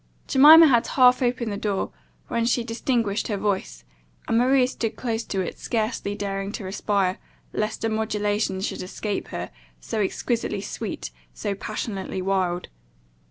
Jemima had half opened the door, when she distinguished her voice, and Maria stood close to it, scarcely daring to respire, lest a modulation should escape her, so exquisitely sweet, so passionately wild.